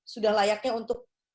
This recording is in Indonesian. sudah layaknya untuk